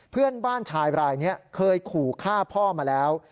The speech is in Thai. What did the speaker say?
เพื่อนบ้านชายรายนี้เคยขู่ฆ่าพ่อมาแล้ว